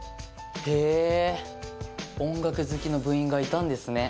へぇ音楽好きの部員がいたんですね。